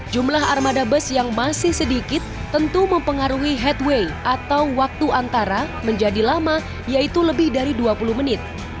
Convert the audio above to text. jumlah armada bus yang masih sedikit tentu mempengaruhi headway atau waktu antara menjadi lama yaitu lebih dari dua puluh menit